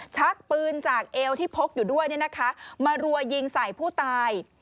ชักปืนจากเอวที่พกอยู่ด้วยมารัวยิงใส่ผู้ตาย